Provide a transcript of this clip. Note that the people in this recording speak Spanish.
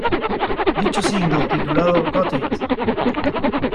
Dicho single, titulado, "Got it!